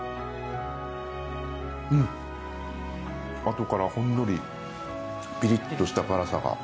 後からほんのりピリッとした辛さが。